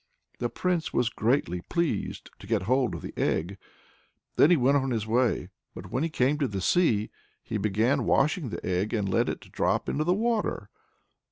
The Prince was greatly pleased and got hold of the egg. Then he went on his way. But when he came to the sea, he began washing the egg, and let it drop into the water.